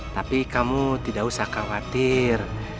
tapi kamu tidak usah khawatir